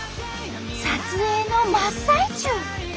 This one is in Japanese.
撮影の真っ最中！